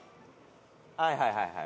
「はいはいはいはい。